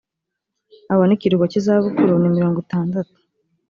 abone ikiruhuko cy izabukuru ni mirongo itandatu